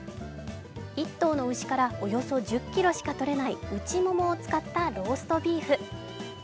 １頭の牛からおよそ１０ｋｇしかとれない内ももを使ったローストビーフ。